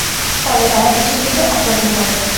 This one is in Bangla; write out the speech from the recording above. ফলে তারা পিছন থেকে আক্রমণ করে।